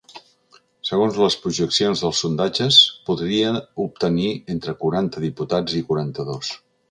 Segons les projeccions dels sondatges, podria obtenir entre quaranta diputats i quaranta-dos.